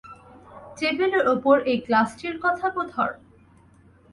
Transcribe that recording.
টেবিলের উপর এই গ্লাসটির কথা ধর।